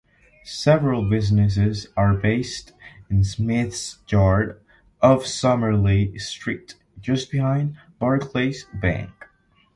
Several businesses are based in Smiths Yard off Summerley Street, just behind Barclays Bank.